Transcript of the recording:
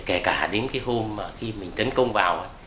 kể cả đến cái hôm mà khi mình tấn công vào ấy